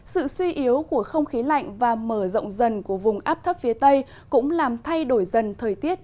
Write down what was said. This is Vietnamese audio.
sự suy yếu của không khí lạnh và mở rộng dần của vùng áp thấp phía tây cũng làm thay đổi dần thời tiết